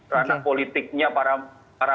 ranah politiknya para